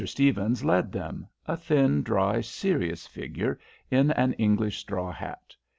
Stephens led them, a thin, dry, serious figure, in an English straw hat.